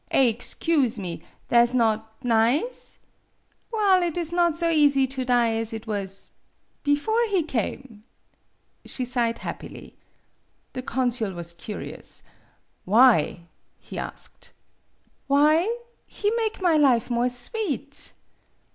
" 4 excuse me, tha' 's not nize? Well, MADAME BUTTERFLY 55 it is not so easy to die as it was bifore he came." She sighed happily. The consul was curious. "Why?" he asked. '' Why ? He make my life more sweet.